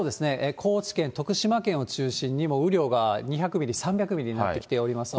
高知県、徳島県を中心に、もう雨量が２００ミリ、３００ミリになってきておりますので。